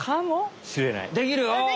できるお！